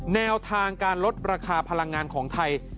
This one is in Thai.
แนวทางการลดราคาพลังงานของไทย